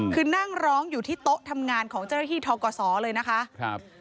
คือนั่งร้องอยู่ที่โต๊ะทำงานของเจ้าหน้าที่ทกศเลยนะคะครับ